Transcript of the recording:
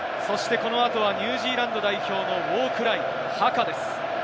この後はニュージーランド代表のウォークライ、ハカです。